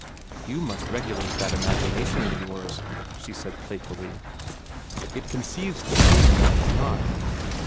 "You must regulate that imagination of yours," she said playfully. "It conceives the thing that is not.